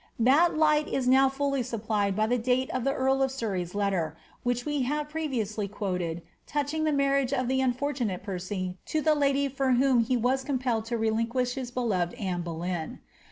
That light is now fully sup plied by the date of the earl of Surrey's letter, which we have pre viously quoted,' touching the marriage of the unfortunate Percy to the lidy for whom he was compelled to relinquish his beloved Anne Boleyn.